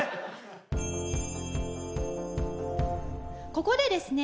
ここでですね